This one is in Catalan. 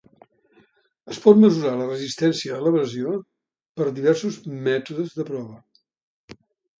Es pot mesurar la resistència a l'abrasió per diversos mètodes de prova.